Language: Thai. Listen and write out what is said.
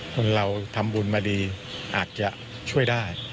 คนเราทำบุญมาดีอาจจะช่วยได้